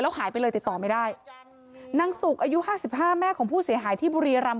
หายไปเลยติดต่อไม่ได้นางสุกอายุห้าสิบห้าแม่ของผู้เสียหายที่บุรีรำ